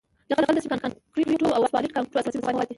جغل د سمنټ کانکریټو او اسفالټ کانکریټو اساسي مواد دي